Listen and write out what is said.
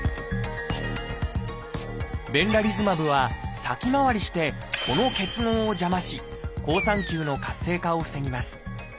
ベンラリズマブは先回りしてこの結合を邪魔し好酸球の活性化を防ぎます。